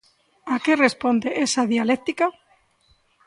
A que responde esa dialéctica?